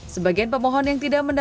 sebagian pemohon yang tidak mendapatkan